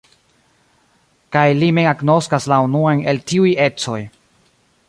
Kaj li mem agnoskas la unuajn el tiuj ecoj.